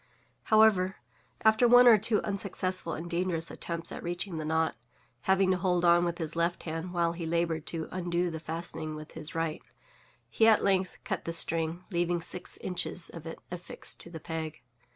However, after one or two unsuccessful and dangerous attempts at reaching the knot (having to hold on with his left hand while he labored to undo the fastening with his right), he at length cut the string, leaving six inches of it affixed to the peg.